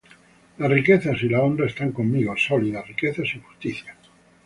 Las riquezas y la honra están conmigo; Sólidas riquezas, y justicia.